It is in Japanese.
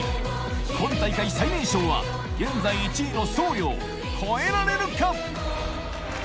今大会最年少は現在１位の僧侶を超えられるか？